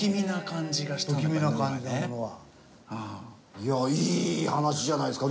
いやいい話じゃないですか。